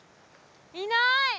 いない！